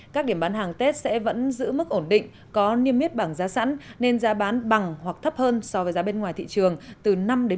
các điểm bán hàng tết sẽ vẫn giữ mức ổn định có niêm yết bảng giá sẵn nên giá bán bằng hoặc thấp hơn so với giá bên ngoài thị trường từ năm một mươi